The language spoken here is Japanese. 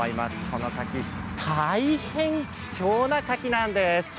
この柿、大変貴重な柿なんです。